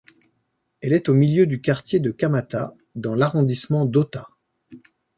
Elle est au milieu du quartier de Kamata, dans l'arrondissement d'Ōta.